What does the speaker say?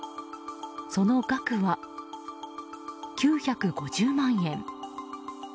その額は、９５０万円。